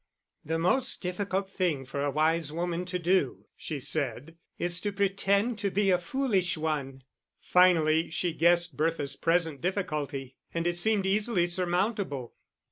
"The most difficult thing for a wise woman to do," she said, "is to pretend to be a foolish one!" Finally, she guessed Bertha's present difficulty; and it seemed easily surmountable.